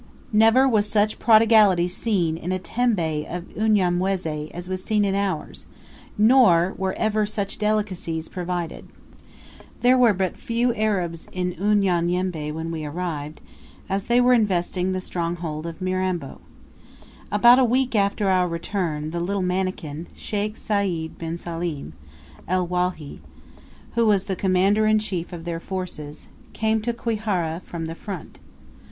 Never was such prodigality seen in a tembe of Unyamwezi as was seen in ours, nor were ever such delicacies provided. There were but few Arabs in Unyanyembe when we arrived, as they were investing the stronghold of Mirambo. About a week after our return, "the little mannikin," Sheikh Sayd bin Salim El Wali who was the commander in chief of their forces, came to Kwihara from the front.